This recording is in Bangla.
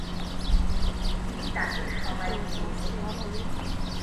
তিনি তাদের সবাইকে দেখেছেন।